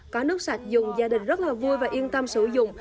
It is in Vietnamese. có nước sạch dùng gia đình rất là vui và yên tâm sử dụng